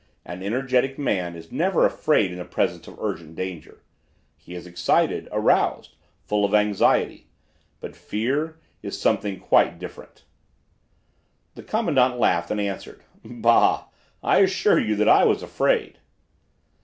An energetic man is never afraid in the presence of urgent danger. He is excited, aroused, full of anxiety, but fear is something quite different." The commandant laughed and answered: "Bah! I assure you that I was afraid."